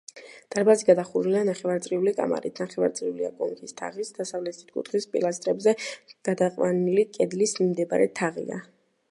დარბაზი გადახურულია ნახევარწრიული კამარით, ნახევარწრიულია კონქის თაღიც, დასავლეთით კუთხის პილასტრებზე გადაყვანილი კედლის მიმდებარე თაღია.